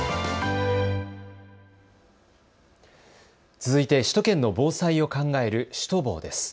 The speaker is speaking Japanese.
続いて首都圏の防災を考えるシュトボーです。